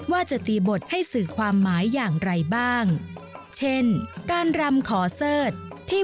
ว่าจะตีบทให้สื่อความหมายอย่างไรบ้างเช่นการรำขอเสิร์ธที่